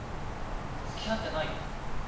付き合ってないよ。